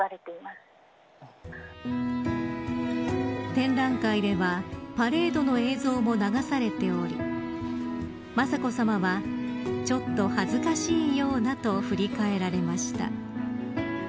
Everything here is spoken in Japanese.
展覧会ではパレードの映像も流されており雅子さまはちょっと恥ずかしいようなと振り返られました。